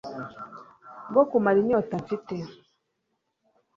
rwo kumara inyota mfite